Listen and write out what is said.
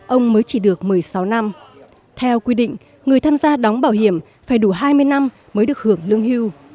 ông mới chỉ được một mươi sáu năm theo quy định người tham gia đóng bảo hiểm phải đủ hai mươi năm mới được hưởng lương hưu